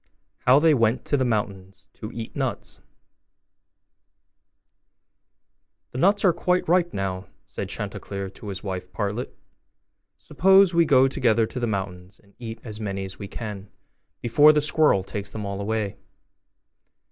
HOW THEY WENT TO THE MOUNTAINS TO EAT NUTS 'The nuts are quite ripe now,' said Chanticleer to his wife Partlet, 'suppose we go together to the mountains, and eat as many as we can, before the squirrel takes them all away.